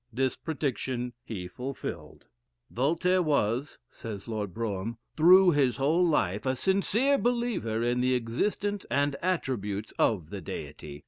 This prediction he fulfilled. "Voltaire was," says Lord Brougham, "through his whole life, a sincere believer in the existence and attributes of the Deity.